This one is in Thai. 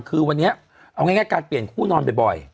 ก็เสี่ยวอยู่นั่นแหละฮะอันตรายที่สุด